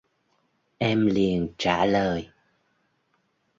Em liền trả lời